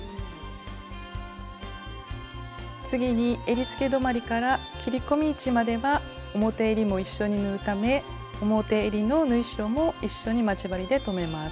次にえりつけ止まりから切り込み位置までは表えりも一緒に縫うため表えりの縫い代も一緒に待ち針で留めます。